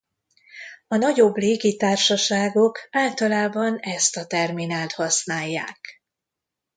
A nagyobb légitársaságok általában ezt a terminált használják.